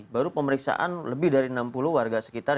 baru pemeriksaan lebih dari enam puluh warga sekitar